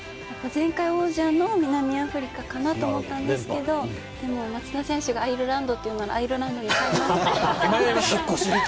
前回王者の南アフリカかなと思ったんですけれど、松田選手がアイルランドというなら、アイルランドに変えます。